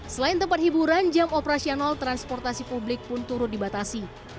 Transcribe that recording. selain tempat hiburan jam operasional transportasi publik pun turut dibatasi